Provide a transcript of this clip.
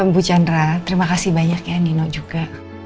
bu chandra terima kasih banyak ya nino juga